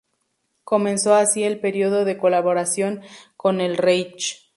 Comenzó así el periodo de colaboración con el Reich.